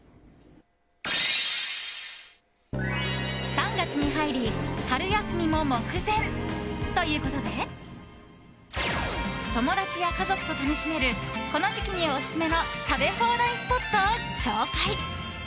３月に入り春休みも目前ということで友達や家族と楽しめるこの時期にオススメの食べ放題スポットを紹介。